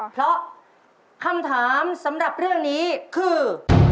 เพราะคำถามสำหรับเรื่องนี้คือ